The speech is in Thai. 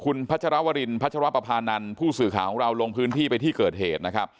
คุณพระจารวรินพัชวพบภานันต์ผู้สื่อขาของเราลงพื้นที่ไปที่เกิดเหตุ